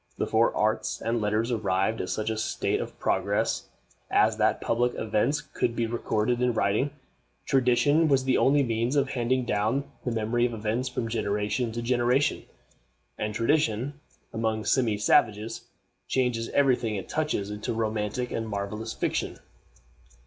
Before arts and letters arrived at such a state of progress as that public events could be recorded in writing, tradition was the only means of handing down the memory of events from generation to generation; and tradition, among semi savages, changes every thing it touches into romantic and marvelous fiction.